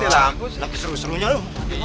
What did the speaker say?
lagi seru serunya loh